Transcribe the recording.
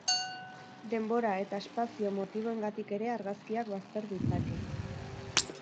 Denbora eta espazio motiboengatik ere argazkiak bazter ditzake.